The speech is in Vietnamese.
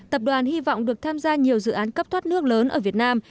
tập đoàn hy vọng được tham gia nhiều dự án cấp thoát nước lớn ở việt nam